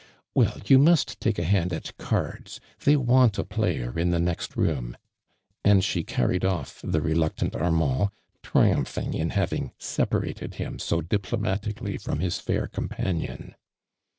" Well, you must take a hand at cards ! they want a player in the next room !'" and she carried off the reluctant Armand, triumphing in having separated him so diplomatictilly from his fair companion.